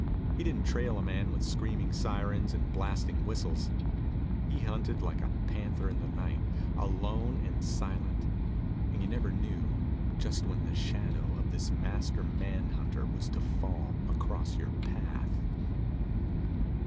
He didn't trail a man with screaming sirens and blasting whistles. He hunted like a panther in the night, alone and silent. And you never knew just when the shadow of this master manhunter was to fall across your path.